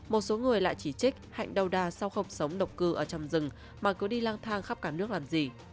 một số người lại chỉ trích hạnh đau đà sau không sống độc cư ở trong rừng mà cứ đi lang thang khắp cả nước làm gì